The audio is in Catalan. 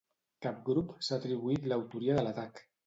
Cap grup s’ha atribuït l’autoria de l’atac.